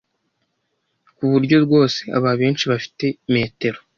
kuburyo rwose aba benshi bafite metero